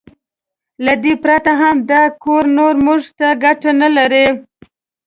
له دې پرته هم دا کور نور موږ ته ګټه نه لري.